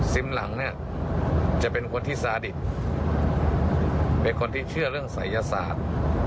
หลังเนี่ยจะเป็นคนที่ซาดิตเป็นคนที่เชื่อเรื่องศัยศาสตร์